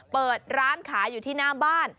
เปิดร้านขายอยู่ที่หน้าบ้าน